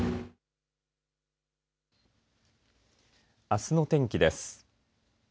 あすの天気です。